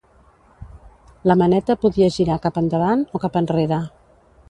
La maneta podia girar cap endavant o cap enrere.